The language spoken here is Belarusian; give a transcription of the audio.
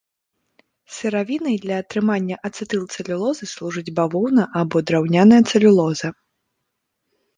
Сыравінай для атрымання ацэтылцэлюлозы служыць бавоўна або драўняная цэлюлоза.